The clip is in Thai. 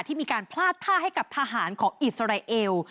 ที่มีการพลาดท่าให้กับทหารของอิสราเอล